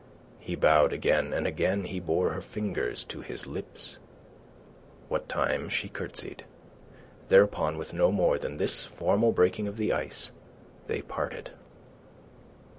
He bowed again; and again he bore her fingers to his lips, what time she curtsied. Thereupon, with no more than this formal breaking of the ice, they parted.